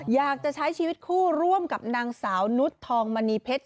อยากจะใช้ชีวิตคู่ร่วมกับนางสาวนุษย์ทองมณีเพชร